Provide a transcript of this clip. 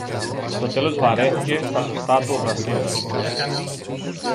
Στο τέλος βαρέθηκε στα σωστά του ο Βρασίδας